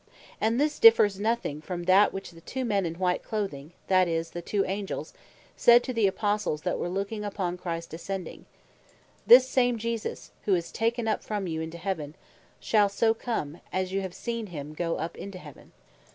And this differs nothing from that, which the two men in white clothing (that is, the two Angels) said to the Apostles, that were looking upon Christ ascending (Acts 1.11.) "This same Jesus, who is taken up from you into Heaven, shall so come, as you have seen him go up into Heaven."